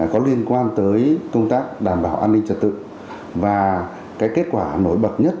có liên quan tới công tác đảm bảo an ninh